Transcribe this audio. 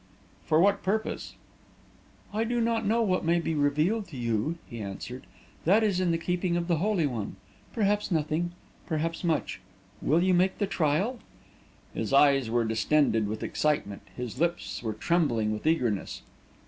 "For what purpose?" "I do not know what may be revealed to you," he answered. "That is in the keeping of the Holy One. Perhaps nothing; perhaps much. Will you make the trial?" His eyes were distended with excitement, his lips were trembling with eagerness.